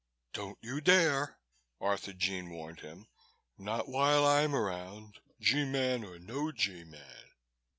"Don't you dare!" Arthurjean warned him. "Not while I'm around, G Man or no G Man.